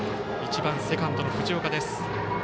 １番、セカンドの藤岡です。